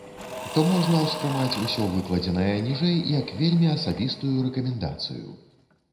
То можна ўспрымаць усё выкладзенае ніжэй як вельмі асабістую рэкамендацыю.